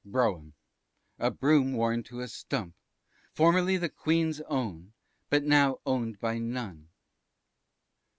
Brougham. A broom worn to a stump, formerly the Queen's own, but now owned by none.